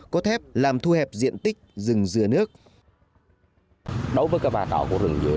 có thép làm thu hẹp diện tích rừng dừa nước